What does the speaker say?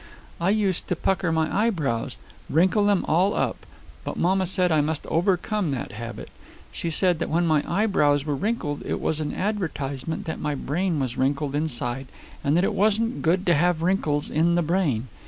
I used to pucker my eyebrows wrinkle them all up, but mamma said I must overcome that habit. She said that when my eyebrows were wrinkled it was an advertisement that my brain was wrinkled inside, and that it wasn't good to have wrinkles in the brain.